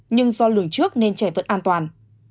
nhưng do lường trước nên trẻ vẫn an toàn